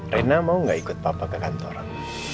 rena mau gak ikut papa ke kantoran